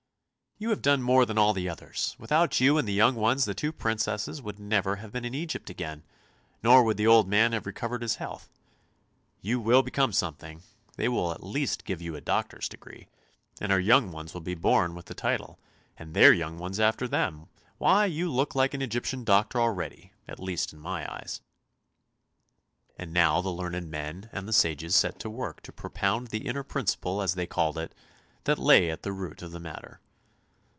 "" You have done more than all the others! Without you and the young ones the two Princesses would never have seen Egypt again, nor would the old man have recovered his health. You will become something. They will at least give you a doctor's degree, and our young ones will be born with the title, and their young ones after them. Why, you look like an Egyptian doctor already, at least in my eyes! " And now the learned men and the sages set to work to pro pound the inner principle, as they called it, that lay at the root of the matter.